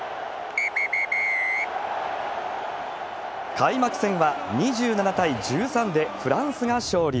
開幕戦は２７対１３でフランスが勝利。